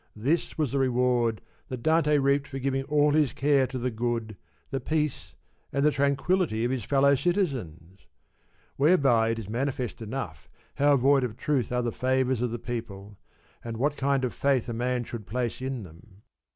This was the reward that Dante reaped for giving all his care to the good, the peace and the tranquillity of his fellow citizens ! Whereby it is manifest enough how void of 32 truth are the favours of the people, and what kind ofy^ faith a man should place in them.